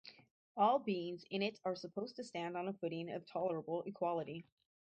All beings in it are supposed to stand on a footing of tolerable equality.